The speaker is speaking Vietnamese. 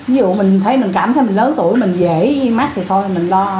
ví dụ mình cảm thấy mình lớn tuổi mình dễ mát thì thôi mình lo